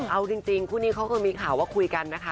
เอาจริงคู่นี้เขาเคยมีข่าวว่าคุยกันนะคะ